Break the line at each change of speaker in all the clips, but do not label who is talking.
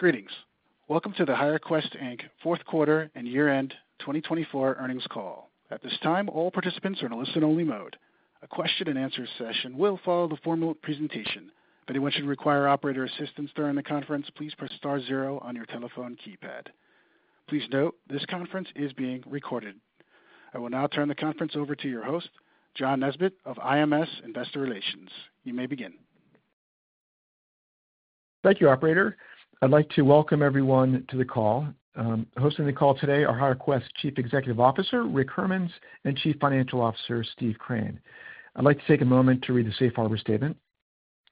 Greetings. Welcome to the HireQuest Fourth Quarter and Year-End 2024 Earnings Call. At this time, all participants are in a listen-only mode. A question-and-answer session will follow the formal presentation. If anyone should require operator assistance during the conference, please press star zero on your telephone keypad. Please note this conference is being recorded. I will now turn the conference over to your host, John Nesbett of IMS Investor Relations. You may begin.
Thank you, Operator. I'd like to welcome everyone to the call. Hosting the call today are HireQuest Chief Executive Officer, Rick Hermanns, and Chief Financial Officer, Steve Crane. I'd like to take a moment to read the Safe Harbor Statement.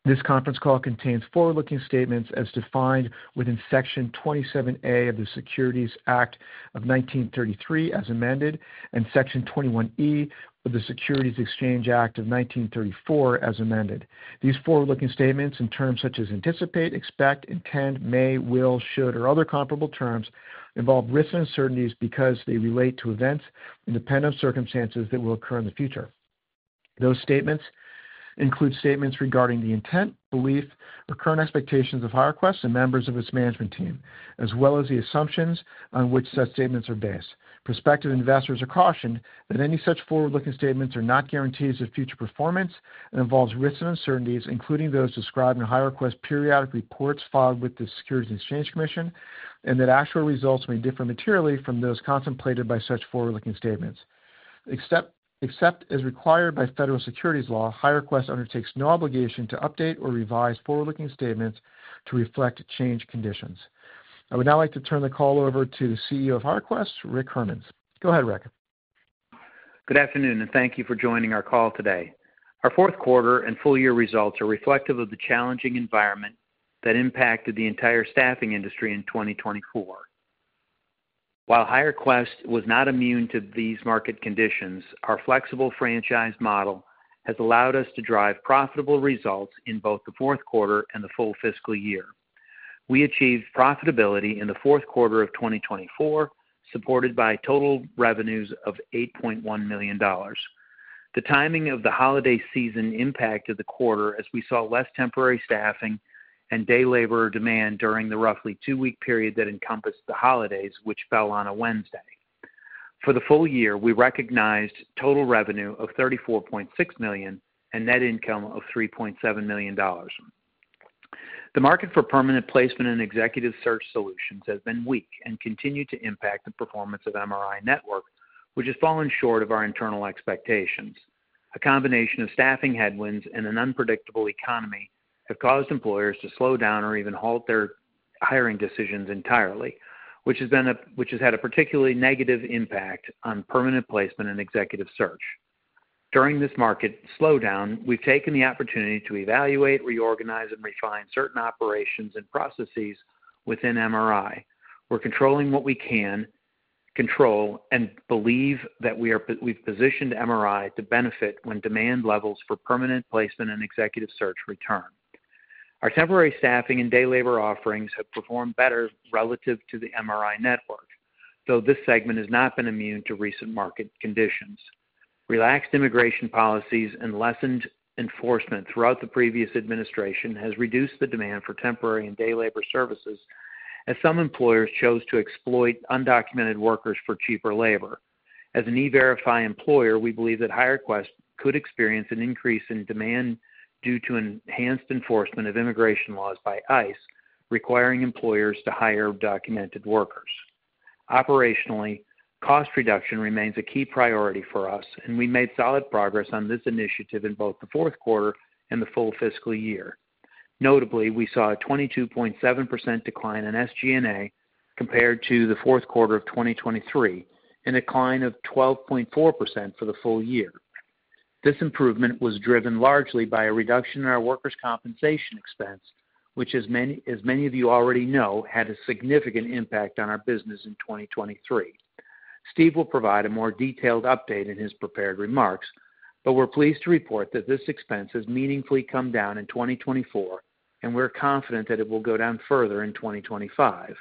This conference call contains forward-looking statements as defined within Section 27A of the Securities Act of 1933 as amended and Section 21E of the Securities Exchange Act of 1934 as amended. These forward-looking statements in terms such as anticipate, expect, intend, may, will, should, or other comparable terms involve risks and uncertainties because they relate to events and depend on circumstances that will occur in the future. Those statements include statements regarding the intent, belief, or current expectations of HireQuest and members of its management team, as well as the assumptions on which such statements are based. Prospective investors are cautioned that any such forward-looking statements are not guarantees of future performance and involve risks and uncertainties, including those described in HireQuest's periodic reports filed with the Securities and Exchange Commission, and that actual results may differ materially from those contemplated by such forward-looking statements. Except as required by federal securities law, HireQuest undertakes no obligation to update or revise forward-looking statements to reflect changed conditions. I would now like to turn the call over to the CEO of HireQuest, Rick Hermanns. Go ahead, Rick.
Good afternoon, and thank you for joining our call today. Our fourth quarter and full-year results are reflective of the challenging environment that impacted the entire staffing industry in 2024. While HireQuest was not immune to these market conditions, our flexible franchise model has allowed us to drive profitable results in both the fourth quarter and the full fiscal year. We achieved profitability in the fourth quarter of 2024, supported by total revenues of $8.1 million. The timing of the holiday season impacted the quarter as we saw less temporary staffing and day labor demand during the roughly two-week period that encompassed the holidays, which fell on a Wednesday. For the full year, we recognized total revenue of $34.6 million and net income of $3.7 million. The market for permanent placement and executive search solutions has been weak and continued to impact the performance of MRI Network, which has fallen short of our internal expectations. A combination of staffing headwinds and an unpredictable economy have caused employers to slow down or even halt their hiring decisions entirely, which has had a particularly negative impact on permanent placement and executive search. During this market slowdown, we've taken the opportunity to evaluate, reorganize, and refine certain operations and processes within MRI. We're controlling what we can control and believe that we've positioned MRI to benefit when demand levels for permanent placement and executive search return. Our temporary staffing and day labor offerings have performed better relative to the MRI Network, though this segment has not been immune to recent market conditions. Relaxed immigration policies and lessened enforcement throughout the previous administration have reduced the demand for temporary and day labor services as some employers chose to exploit undocumented workers for cheaper labor. As an E-Verify employer, we believe that HireQuest could experience an increase in demand due to enhanced enforcement of immigration laws by ICE requiring employers to hire documented workers. Operationally, cost reduction remains a key priority for us, and we made solid progress on this initiative in both the fourth quarter and the full fiscal year. Notably, we saw a 22.7% decline in SG&A compared to the fourth quarter of 2023 and a decline of 12.4% for the full year. This improvement was driven largely by a reduction in our workers' compensation expense, which, as many of you already know, had a significant impact on our business in 2023. Steve will provide a more detailed update in his prepared remarks, but we're pleased to report that this expense has meaningfully come down in 2024, and we're confident that it will go down further in 2025.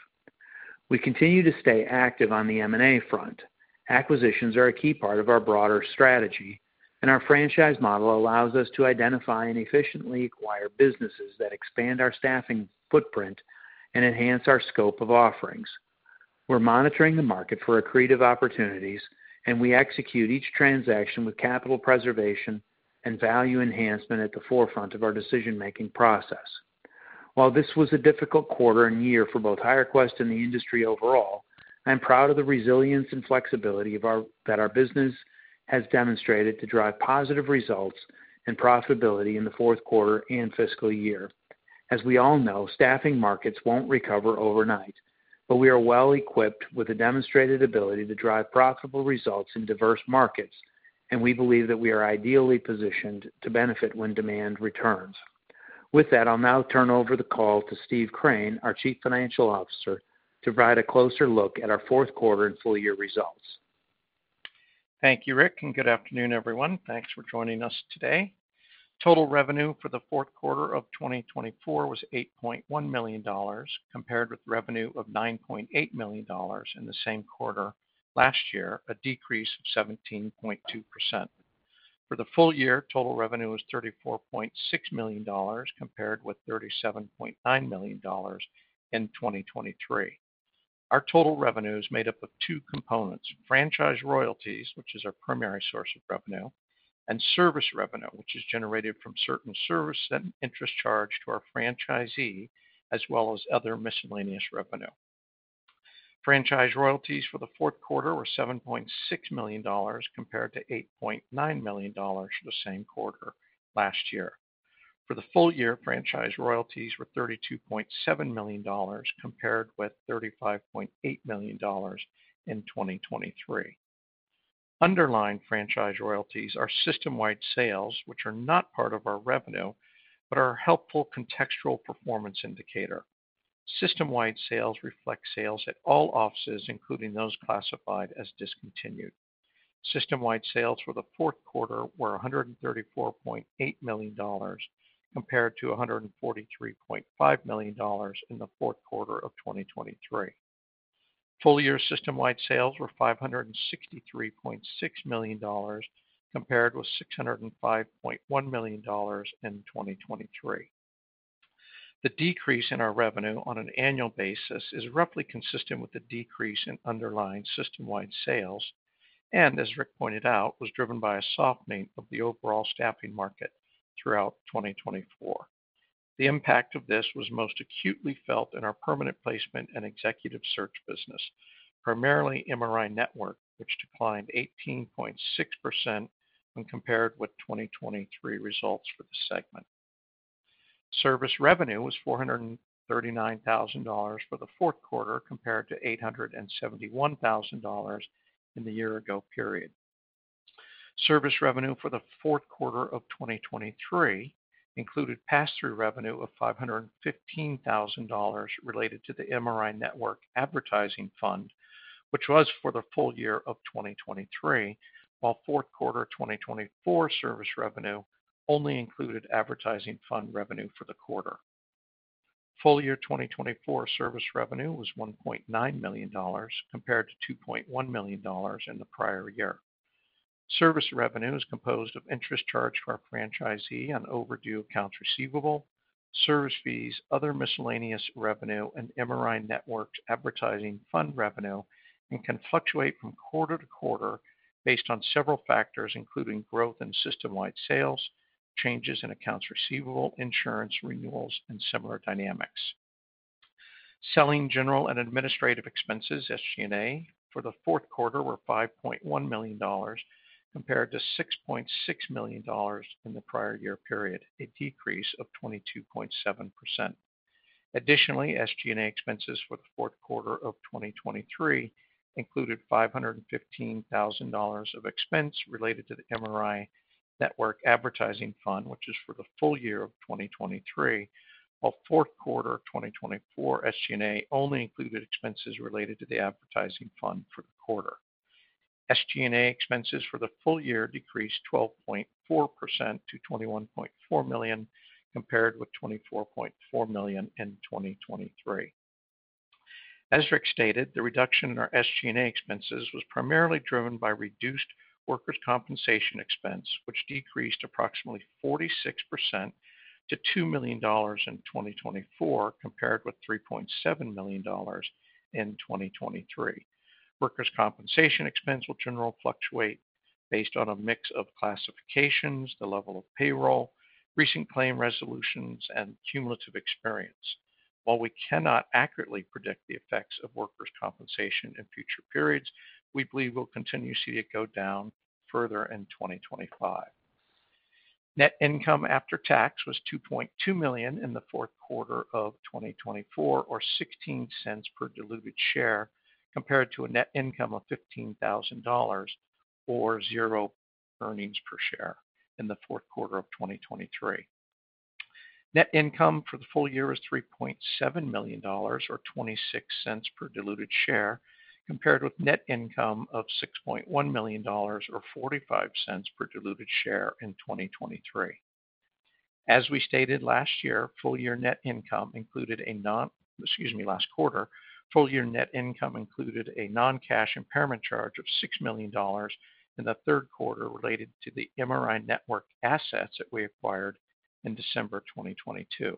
We continue to stay active on the M&A front. Acquisitions are a key part of our broader strategy, and our franchise model allows us to identify and efficiently acquire businesses that expand our staffing footprint and enhance our scope of offerings. We're monitoring the market for accretive opportunities, and we execute each transaction with capital preservation and value enhancement at the forefront of our decision-making process. While this was a difficult quarter and year for both HireQuest and the industry overall, I'm proud of the resilience and flexibility that our business has demonstrated to drive positive results and profitability in the fourth quarter and fiscal year. As we all know, staffing markets won't recover overnight, but we are well-equipped with a demonstrated ability to drive profitable results in diverse markets, and we believe that we are ideally positioned to benefit when demand returns. With that, I'll now turn over the call to Steve Crane, our Chief Financial Officer, to provide a closer look at our fourth quarter and full-year results.
Thank you, Rick, and good afternoon, everyone. Thanks for joining us today. Total revenue for the fourth quarter of 2024 was $8.1 million compared with revenue of $9.8 million in the same quarter last year, a decrease of 17.2%. For the full year, total revenue was $34.6 million compared with $37.9 million in 2023. Our total revenue is made up of two components: franchise royalties, which is our primary source of revenue, and service revenue, which is generated from certain service and interest charged to our franchisee, as well as other miscellaneous revenue. Franchise royalties for the fourth quarter were $7.6 million compared to $8.9 million for the same quarter last year. For the full year, franchise royalties were $32.7 million compared with $35.8 million in 2023. Underlying franchise royalties are system-wide sales, which are not part of our revenue but are a helpful contextual performance indicator. System-wide sales reflect sales at all offices, including those classified as discontinued. System-wide sales for the fourth quarter were $134.8 million compared to $143.5 million in the fourth quarter of 2023. Full-year system-wide sales were $563.6 million compared with $605.1 million in 2023. The decrease in our revenue on an annual basis is roughly consistent with the decrease in underlying system-wide sales and, as Rick pointed out, was driven by a softening of the overall staffing market throughout 2024. The impact of this was most acutely felt in our permanent placement and executive search business, primarily MRI Network, which declined 18.6% when compared with 2023 results for the segment. Service revenue was $439,000 for the fourth quarter compared to $871,000 in the year-ago period. Service revenue for the fourth quarter of 2023 included pass-through revenue of $515,000 related to the MRI Network advertising fund, which was for the full year of 2023, while fourth quarter 2024 service revenue only included advertising fund revenue for the quarter. Full-year 2024 service revenue was $1.9 million compared to $2.1 million in the prior year. Service revenue is composed of interest charged to our franchisee on overdue accounts receivable, service fees, other miscellaneous revenue, and MRI Network advertising fund revenue, and can fluctuate from quarter to quarter based on several factors, including growth in system-wide sales, changes in accounts receivable, insurance renewals, and similar dynamics. Selling, general and administrative expenses, SG&A, for the fourth quarter were $5.1 million compared to $6.6 million in the prior year period, a decrease of 22.7%. Additionally, SG&A expenses for the fourth quarter of 2023 included $515,000 of expense related to the MRI Network advertising fund, which is for the full year of 2023, while fourth quarter 2024 SG&A only included expenses related to the advertising fund for the quarter. SG&A expenses for the full year decreased 12.4% to $21.4 million compared with $24.4 million in 2023. As Rick stated, the reduction in our SG&A expenses was primarily driven by reduced workers' compensation expense, which decreased approximately 46% to $2 million in 2024 compared with $3.7 million in 2023. Workers' compensation expense will generally fluctuate based on a mix of classifications, the level of payroll, recent claim resolutions, and cumulative experience. While we cannot accurately predict the effects of workers' compensation in future periods, we believe we'll continue to see it go down further in 2025. Net income after tax was $2.2 million in the fourth quarter of 2024, or $0.16 per diluted share, compared to a net income of $15,000 or $0.00 earnings per share in the fourth quarter of 2023. Net income for the full year was $3.7 million or $0.26 per diluted share compared with net income of $6.1 million or $0.45 per diluted share in 2023. As we stated last year, full-year net income included a non, excuse me, last quarter, full-year net income included a non-cash impairment charge of $6 million in the third quarter related to the MRI Network assets that we acquired in December 2022.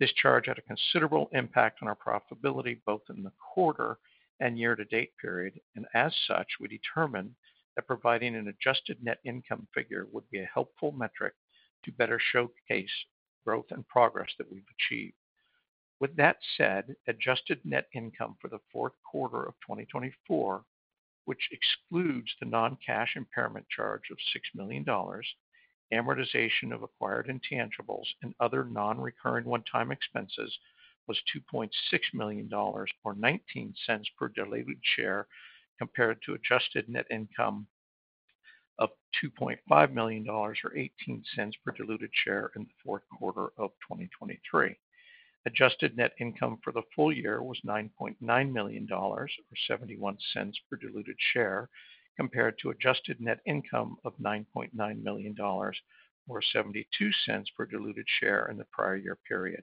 This charge had a considerable impact on our profitability both in the quarter and year-to-date period, and as such, we determined that providing an adjusted net income figure would be a helpful metric to better showcase growth and progress that we've achieved. With that said, adjusted net income for the fourth quarter of 2024, which excludes the non-cash impairment charge of $6 million, amortization of acquired intangibles and other non-recurring one-time expenses, was $2.6 million or $0.19 per diluted share compared to adjusted net income of $2.5 million or $0.18 per diluted share in the fourth quarter of 2023. Adjusted net income for the full year was $9.9 million or $0.71 per diluted share compared to Adjusted net income of $9.9 million or $0.72 per diluted share in the prior year period.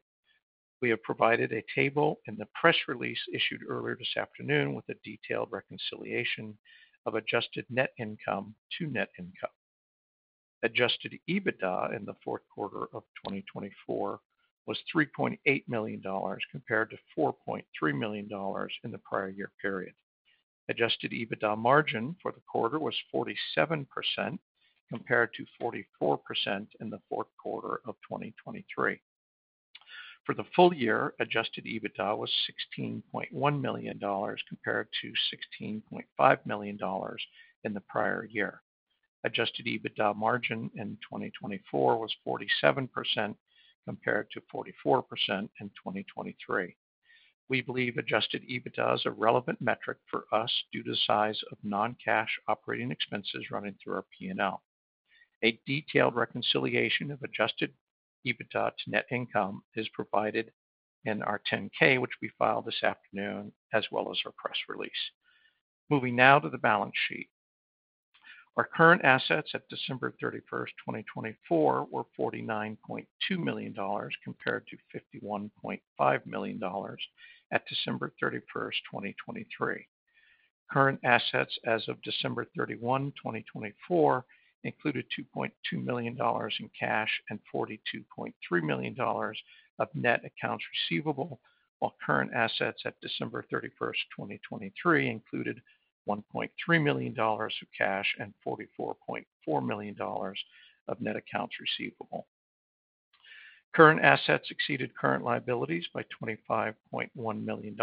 We have provided a table in the press release issued earlier this afternoon with a detailed reconciliation of adjusted net income to net income. Adjusted EBITDA in the fourth quarter of 2024 was $3.8 million compared to $4.3 million in the prior year period. Adjusted EBITDA margin for the quarter was 47% compared to 44% in the fourth quarter of 2023. For the full year, Adjusted EBITDA was $16.1 million compared to $16.5 million in the prior year. Adjusted EBITDA margin in 2024 was 47% compared to 44% in 2023. We believe Adjusted EBITDA is a relevant metric for us due to the size of non-cash operating expenses running through our P&L. A detailed reconciliation of Adjusted EBITDA to net income is provided in our 10-K, which we filed this afternoon, as well as our press release. Moving now to the balance sheet. Our current assets at December 31, 2024, were $49.2 million compared to $51.5 million at December 31st, 2023. Current assets as of December 31, 2024, included $2.2 million in cash and $42.3 million of net accounts receivable, while current assets at December 31st, 2023, included $1.3 million of cash and $44.4 million of net accounts receivable. Current assets exceeded current liabilities by $25.1 million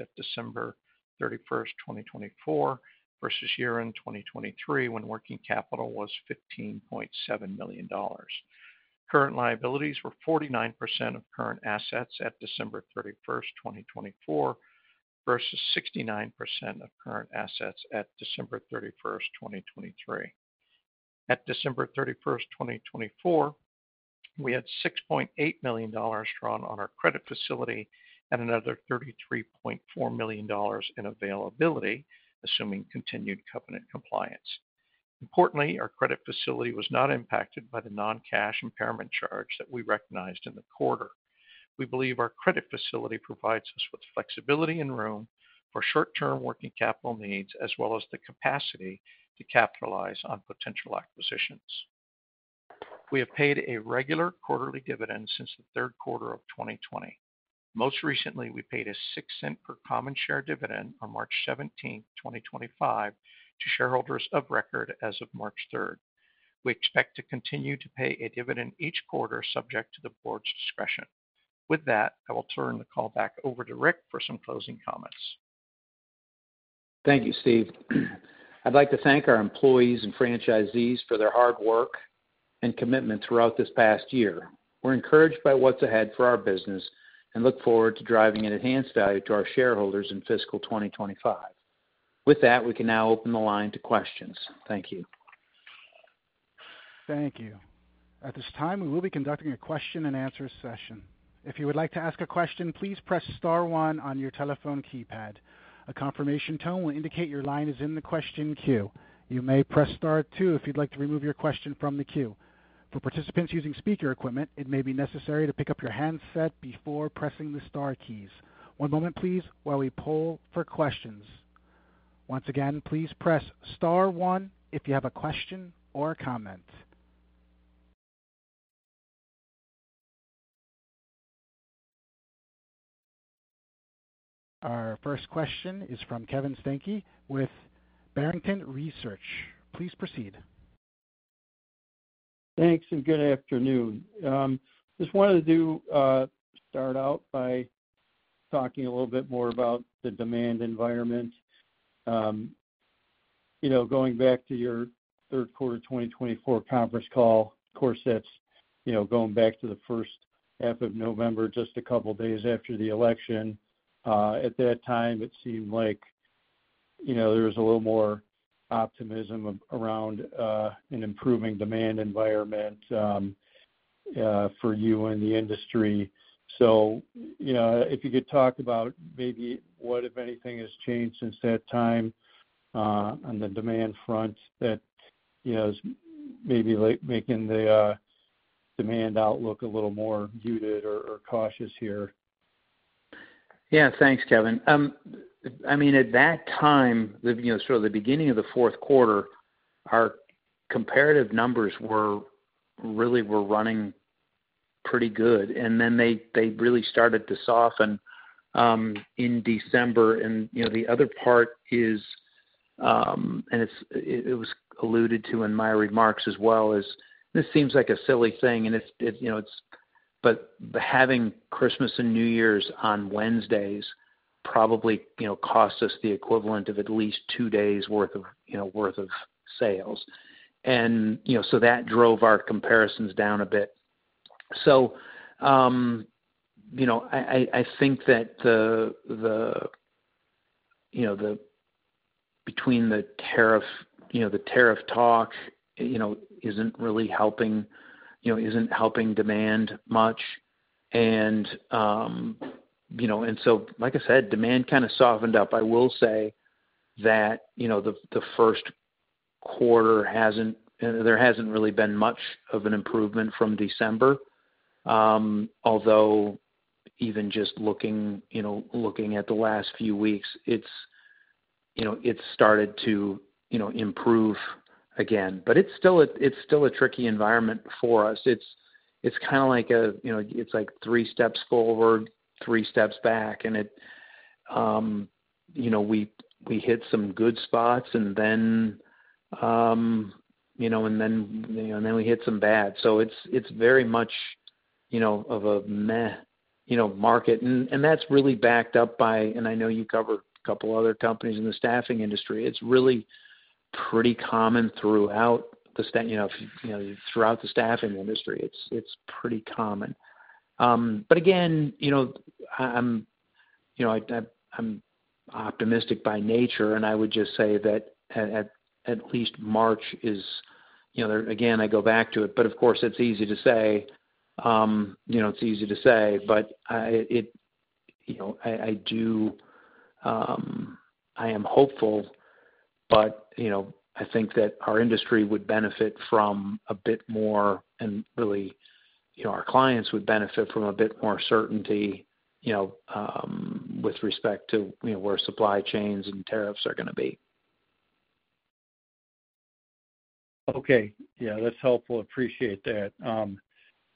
at December 31, 2024, versus year-end 2023 when working capital was $15.7 million. Current liabilities were 49% of current assets at December 31st, 2024, versus 69% of current assets at December 31st, 2023. At December 31st, 2024, we had $6.8 million drawn on our credit facility and another $33.4 million in availability, assuming continued covenant compliance. Importantly, our credit facility was not impacted by the non-cash impairment charge that we recognized in the quarter. We believe our credit facility provides us with flexibility and room for short-term working capital needs, as well as the capacity to capitalize on potential acquisitions. We have paid a regular quarterly dividend since the third quarter of 2020. Most recently, we paid a $0.06 per common share dividend on March 17, 2025, to shareholders of record as of March 3rd. We expect to continue to pay a dividend each quarter, subject to the board's discretion. With that, I will turn the call back over to Rick for some closing comments.
Thank you, Steve. I'd like to thank our employees and franchisees for their hard work and commitment throughout this past year. We're encouraged by what's ahead for our business and look forward to driving an enhanced value to our shareholders in fiscal 2025. With that, we can now open the line to questions. Thank you.
Thank you. At this time, we will be conducting a question-and-answer session. If you would like to ask a question, please press star one on your telephone keypad. A confirmation tone will indicate your line is in the question queue. You may press star two if you'd like to remove your question from the queue. For participants using speaker equipment, it may be necessary to pick up your handset before pressing the star keys. One moment, please, while we poll for questions. Once again, please press star 1 if you have a question or a comment. Our first question is from Kevin Steinke with Barrington Research. Please proceed.
Thanks, and good afternoon. I just wanted to start out by talking a little bit more about the demand environment. Going back to your third quarter 2024 conference call, of course, that's going back to the first half of November, just a couple of days after the election. At that time, it seemed like there was a little more optimism around an improving demand environment for you and the industry. If you could talk about maybe what, if anything, has changed since that time on the demand front that is maybe making the demand outlook a little more muted or cautious here.
Yeah, thanks, Kevin. I mean, at that time, sort of the beginning of the fourth quarter, our comparative numbers really were running pretty good, and then they really started to soften in December. The other part is, and it was alluded to in my remarks as well, this seems like a silly thing, but having Christmas and New Year's on Wednesdays probably costs us the equivalent of at least two days' worth of sales. That drove our comparisons down a bit. I think that between the tariff talk isn't really helping, isn't helping demand much. Like I said, demand kind of softened up. I will say that the first quarter, there hasn't really been much of an improvement from December, although even just looking at the last few weeks, it's started to improve again. It's still a tricky environment for us. It's kind of like a—it's like three steps forward, three steps back, and we hit some good spots, and then we hit some bad. It is very much of a meh market. That is really backed up by—I know you cover a couple of other companies in the staffing industry. It is really pretty common throughout the staffing industry. It is pretty common. Again, I am optimistic by nature, and I would just say that at least March is—again, I go back to it, but of course, it is easy to say. It is easy to say, but I do—I am hopeful, but I think that our industry would benefit from a bit more, and really, our clients would benefit from a bit more certainty with respect to where supply chains and tariffs are going to be.
Okay. Yeah, that's helpful. Appreciate that.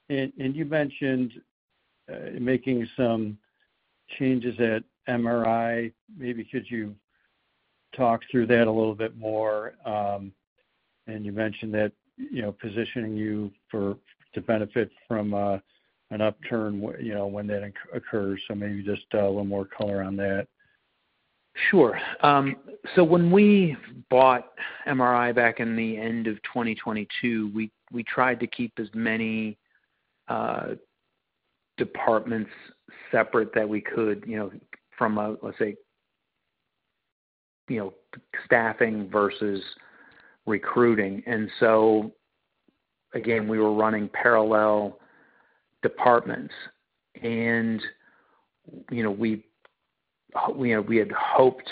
You mentioned making some changes at MRI. Maybe could you talk through that a little bit more? You mentioned that positioning you to benefit from an upturn when that occurs. Maybe just a little more color on that.
Sure. When we bought MRI back in the end of 2022, we tried to keep as many departments separate that we could from, let's say, staffing versus recruiting. Again, we were running parallel departments, and we had hoped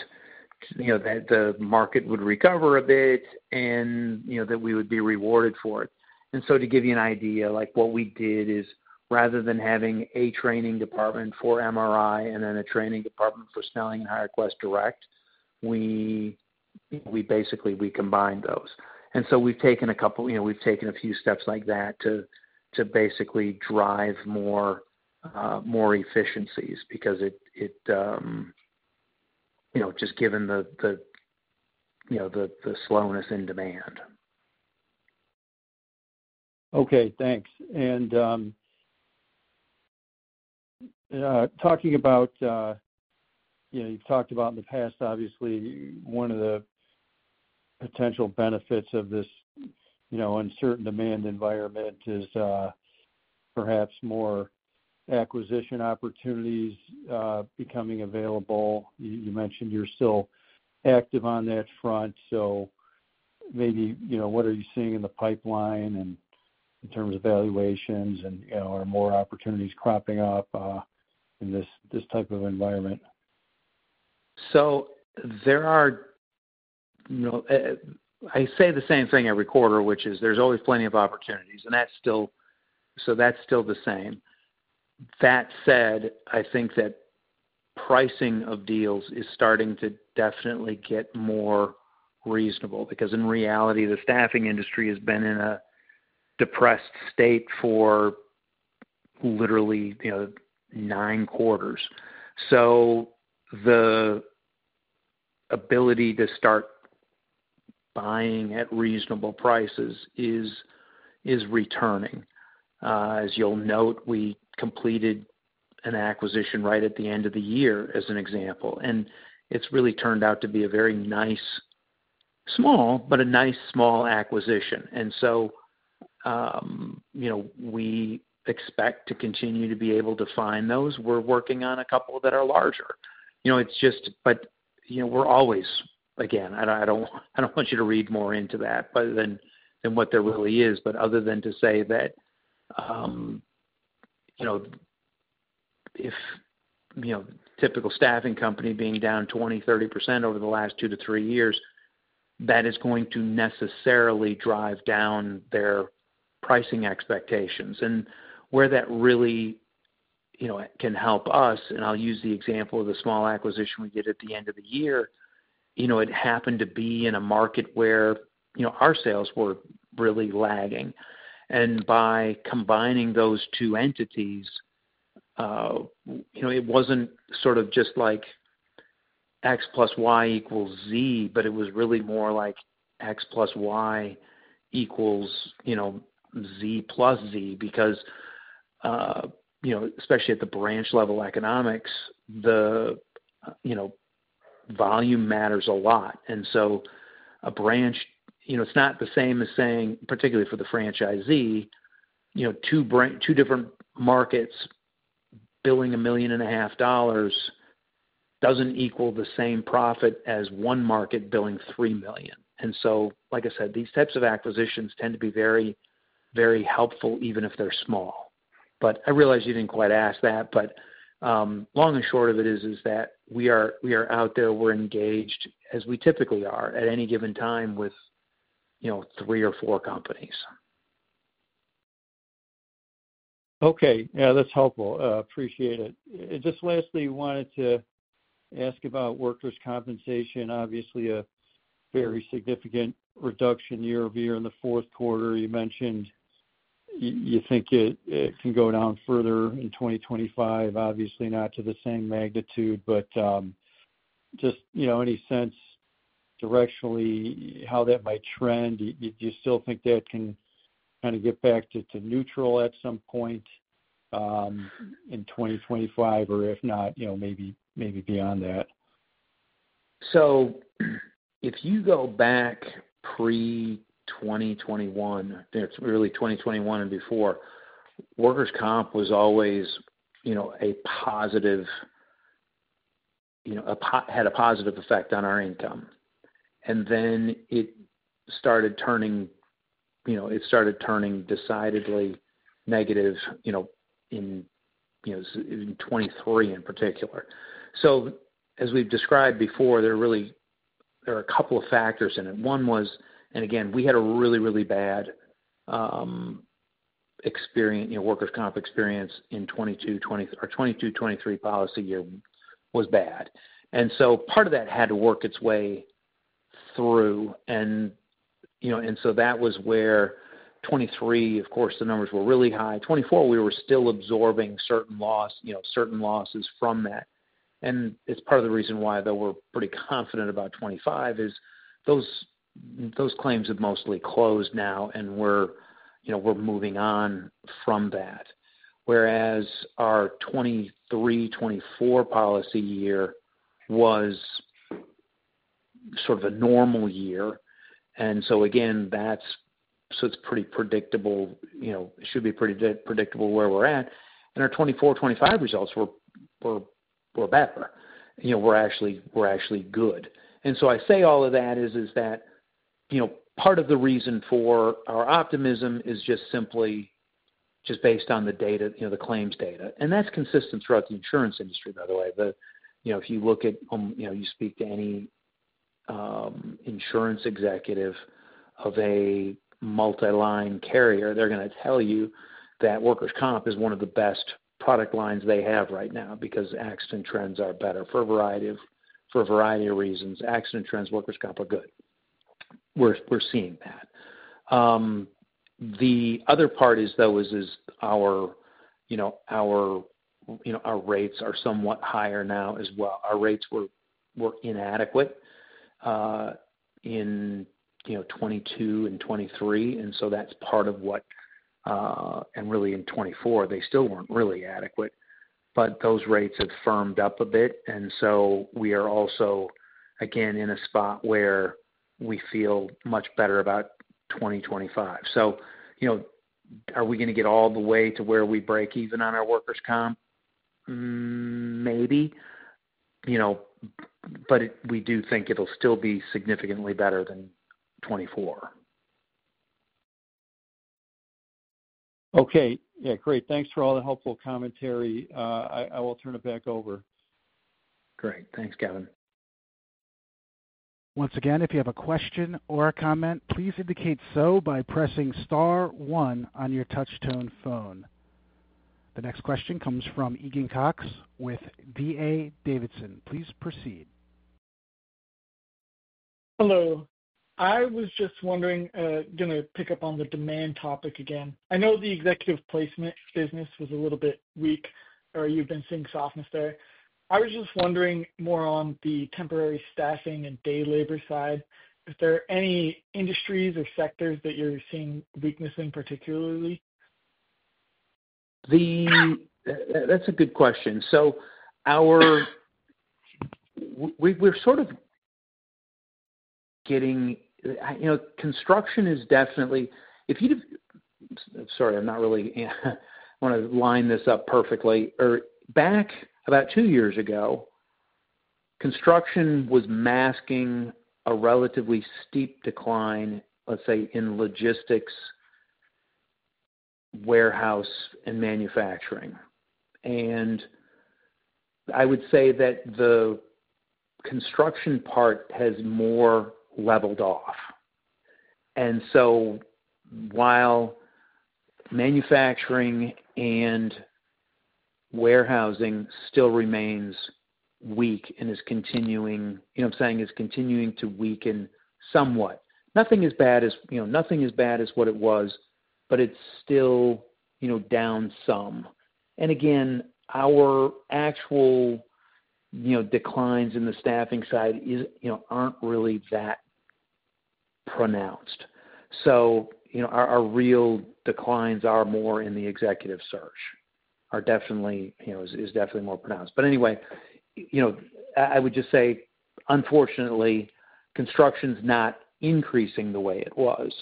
that the market would recover a bit and that we would be rewarded for it. To give you an idea, what we did is, rather than having a training department for MRI and then a training department for Snelling and HireQuest Direct, we basically combined those. We have taken a couple—we have taken a few steps like that to basically drive more efficiencies because it just given the slowness in demand.
Okay. Thanks. Talking about—you've talked about in the past, obviously, one of the potential benefits of this uncertain demand environment is perhaps more acquisition opportunities becoming available. You mentioned you're still active on that front. Maybe what are you seeing in the pipeline in terms of valuations and are more opportunities cropping up in this type of environment?
I say the same thing every quarter, which is there's always plenty of opportunities, and so that's still the same. That said, I think that pricing of deals is starting to definitely get more reasonable because, in reality, the staffing industry has been in a depressed state for literally nine quarters. The ability to start buying at reasonable prices is returning. As you'll note, we completed an acquisition right at the end of the year, as an example. It's really turned out to be a very nice, small, but a nice small acquisition. We expect to continue to be able to find those. We're working on a couple that are larger. We're always—again, I don't want you to read more into that than what there really is. Other than to say that if a typical staffing company being down 20%-30% over the last two to three years, that is going to necessarily drive down their pricing expectations. Where that really can help us, and I'll use the example of the small acquisition we did at the end of the year, it happened to be in a market where our sales were really lagging. By combining those two entities, it wasn't sort of just like X+Y=Z, but it was really more like X+Y=Z=Z because, especially at the branch-level economics, the volume matters a lot. A branch—it's not the same as saying, particularly for the franchisee, two different markets billing $1.5 million doesn't equal the same profit as one market billing $3 million. Like I said, these types of acquisitions tend to be very, very helpful, even if they're small. I realize you didn't quite ask that. Long and short of it is that we are out there. We're engaged, as we typically are at any given time, with three or four companies.
Okay. Yeah, that's helpful. Appreciate it. Just lastly, I wanted to ask about workers' compensation. Obviously, a very significant reduction year-over-year in the fourth quarter. You mentioned you think it can go down further in 2025, obviously not to the same magnitude, but just any sense directionally how that might trend. Do you still think that can kind of get back to neutral at some point in 2025, or if not, maybe beyond that?
So if you go back pre-2021, early 2021 and before, workers' comp was always a positive, had a positive effect on our income. It started turning, it started turning decidedly negative in 2023 in particular. As we've described before, there are a couple of factors in it. One was, and again, we had a really, really bad workers' comp experience in 2022. Our 2022-2023 policy year was bad. Part of that had to work its way through. That was where 2023, of course, the numbers were really high. In 2024, we were still absorbing certain losses from that. It's part of the reason why we're pretty confident about 2025, as those claims have mostly closed now, and we're moving on from that. Whereas our 2023-2024 policy year was sort of a normal year. Again, it's pretty predictable. It should be pretty predictable where we're at. Our 2024, 2025 results were better. We're actually good. I say all of that is that part of the reason for our optimism is just simply based on the data, the claims data. That's consistent throughout the insurance industry, by the way. If you look at—you speak to any insurance executive of a multi-line carrier, they're going to tell you that workers' comp is one of the best product lines they have right now because accident trends are better for a variety of reasons. Accident trends, workers' comp are good. We're seeing that. The other part is, though, our rates are somewhat higher now as well. Our rates were inadequate in 2022 and 2023. That's part of what—and really in 2024, they still weren't really adequate. Those rates have firmed up a bit. We are also, again, in a spot where we feel much better about 2025. Are we going to get all the way to where we break even on our workers' comp? Maybe. We do think it'll still be significantly better than 2024.
Okay. Yeah, great. Thanks for all the helpful commentary. I will turn it back over.
Great. Thanks, Kevin.
Once again, if you have a question or a comment, please indicate so by pressing star one on your touchtone phone. The next question comes from Keegan Cox with D.A. Davidson. Please proceed.
Hello. I was just wondering, going to pick up on the demand topic again. I know the executive placement business was a little bit weak, or you've been seeing softness there. I was just wondering more on the temporary staffing and day labor side. Is there any industries or sectors that you're seeing weakness in particularly?
That's a good question. We're sort of getting—construction is definitely—sorry, I want to line this up perfectly. Back about two years ago, construction was masking a relatively steep decline, let's say, in logistics, warehouse, and manufacturing. I would say that the construction part has more leveled off. While manufacturing and warehousing still remains weak and is continuing—you know what I'm saying?—is continuing to weaken somewhat. Nothing as bad as what it was, but it's still down some. Again, our actual declines in the staffing side aren't really that pronounced. Our real declines are more in the executive search, are definitely—is definitely more pronounced. Anyway, I would just say, unfortunately, construction's not increasing the way it was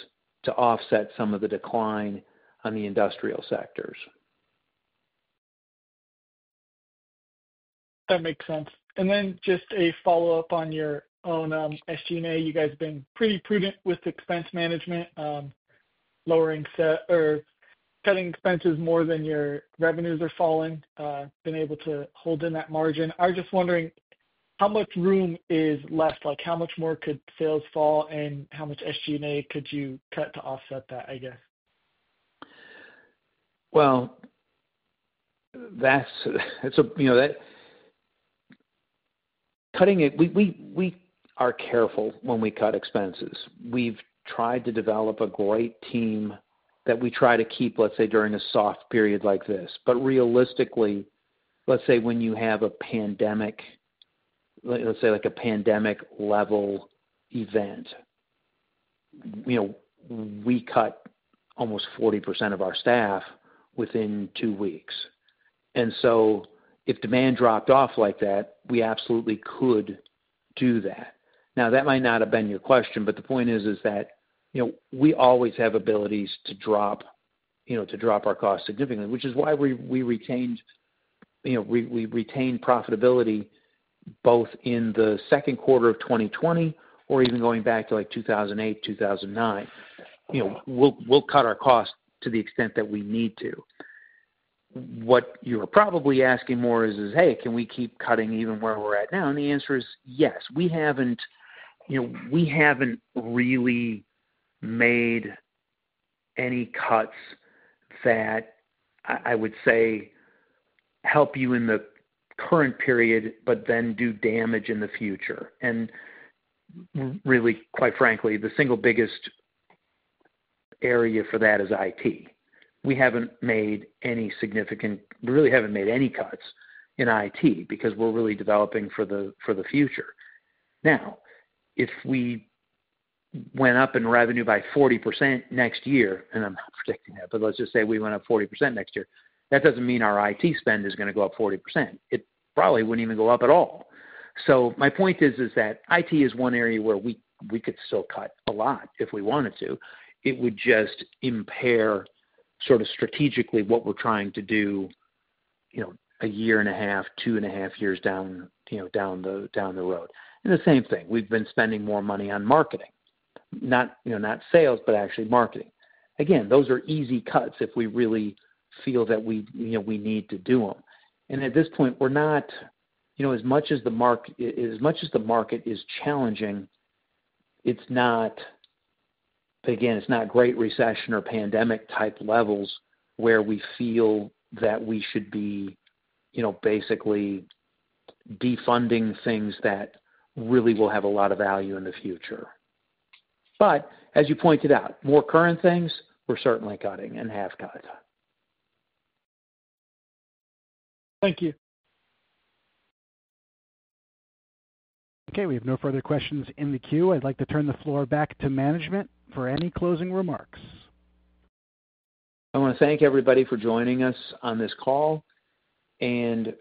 to offset some of the decline on the industrial sectors.
That makes sense. Just a follow-up on your own SG&A. You guys have been pretty prudent with expense management, lowering or cutting expenses more than your revenues are falling, been able to hold in that margin. I was just wondering how much room is left? How much more could sales fall, and how much SG&A could you cut to offset that, I guess?
We are careful when we cut expenses. We've tried to develop a great team that we try to keep, let's say, during a soft period like this. Realistically, let's say when you have a pandemic, let's say a pandemic-level event, we cut almost 40% of our staff within two weeks. If demand dropped off like that, we absolutely could do that. That might not have been your question, but the point is that we always have abilities to drop our costs significantly, which is why we retained profitability both in the second quarter of 2020 or even going back to 2008, 2009. We'll cut our costs to the extent that we need to. What you're probably asking more is, "Hey, can we keep cutting even where we're at now?" The answer is yes. We haven't really made any cuts that I would say help you in the current period but then do damage in the future. Quite frankly, the single biggest area for that is IT. We haven't made any significant—we really haven't made any cuts in IT because we're really developing for the future. Now, if we went up in revenue by 40% next year—and I'm not predicting that, but let's just say we went up 40% next year—that doesn't mean our IT spend is going to go up 40%. It probably wouldn't even go up at all. My point is that IT is one area where we could still cut a lot if we wanted to. It would just impair sort of strategically what we're trying to do a year and a half, two and a half years down the road. The same thing, we've been spending more money on marketing. Not sales, but actually marketing. Again, those are easy cuts if we really feel that we need to do them. At this point, we're not—as much as the market is challenging, it's not—again, it's not great recession or pandemic-type levels where we feel that we should be basically defunding things that really will have a lot of value in the future. As you pointed out, more current things, we're certainly cutting and have cut.
Thank you.
Okay. We have no further questions in the queue. I'd like to turn the floor back to management for any closing remarks.
I want to thank everybody for joining us on this call. I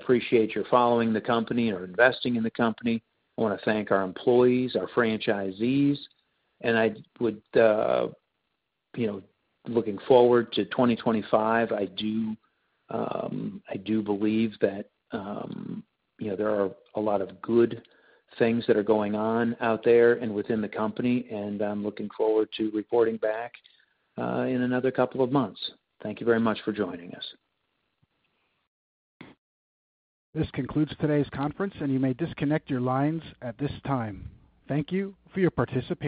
appreciate your following the company or investing in the company. I want to thank our employees, our franchisees. Looking forward to 2025, I do believe that there are a lot of good things that are going on out there and within the company. I am looking forward to reporting back in another couple of months. Thank you very much for joining us.
This concludes today's conference, and you may disconnect your lines at this time. Thank you for your participation.